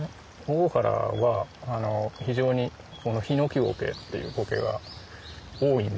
大原は非常にこのヒノキゴケっていうコケが多いんですよ。